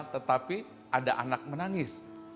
tetapi ada anak menangis